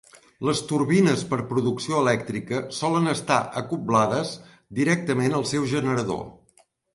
Les turbines per producció elèctrica solen estar acoblades directament al seu generador.